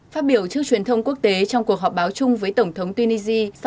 phát biểu trước truyền thông quốc tế trong cuộc họp báo chung với tổng thống tunisia